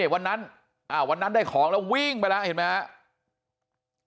วันนั้นได้ของแล้ววิ่งไปแล้วเห็นมั้ยฮะ